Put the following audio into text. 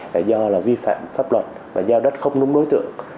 là do vi phạm pháp luật và giao đất không đúng đối tượng